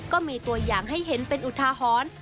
ก็มีตัวอย่างให้เห็นเป็นอุทาหรณ์